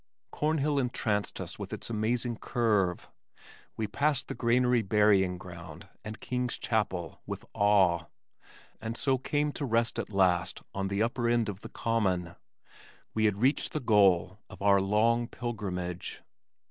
Cornhill entranced us with its amazing curve. We passed the Granary Burying Ground and King's Chapel with awe, and so came to rest at last on the upper end of the Common! We had reached the goal of our long pilgrimage.